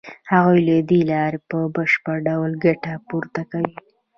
هغوی له دې لارې په بشپړ ډول ګټه پورته کوي